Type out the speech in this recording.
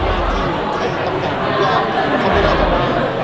และข้อที่สองครับ